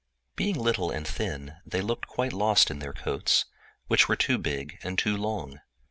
They were both small and thin, and looked quite lost in their coats, which were too big and too long.